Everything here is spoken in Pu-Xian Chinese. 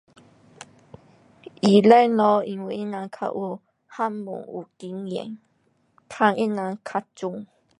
医生咯，因为他人较有学问，有经验。问他人较准。